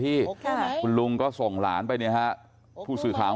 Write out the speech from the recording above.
พี่สาวอายุ๗ขวบก็ดูแลน้องดีเหลือเกิน